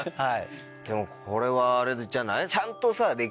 でもこれはあれじゃない？ちゃんとさ。